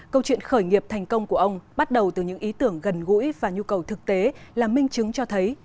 câu chuyện khởi nghiệp thành công của ông bắt đầu từ những ý tưởng gần gũi và nhu cầu thực tế là minh chứng cho thấy